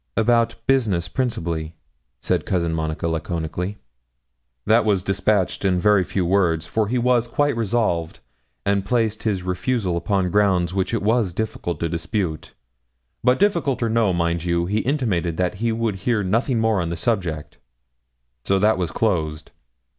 'About business principally,' said Cousin Monica, laconically. 'That was despatched in very few words; for he was quite resolved, and placed his refusal upon grounds which it was difficult to dispute. But difficult or no, mind you, he intimated that he would hear nothing more on the subject so that was closed.'